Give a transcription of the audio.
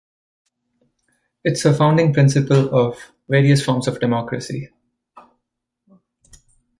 It is a founding principle of various forms of democracy.